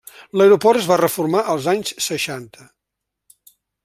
L'aeroport es va reformar als anys seixanta.